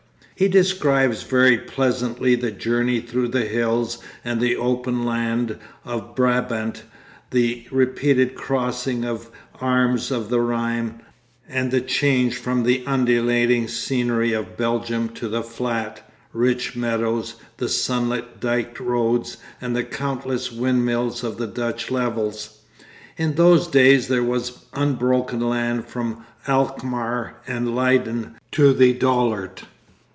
He describes very pleasantly the journey through the hills and open land of Brabant, the repeated crossing of arms of the Rhine, and the change from the undulating scenery of Belgium to the flat, rich meadows, the sunlit dyke roads, and the countless windmills of the Dutch levels. In those days there was unbroken land from Alkmaar and Leiden to the Dollart.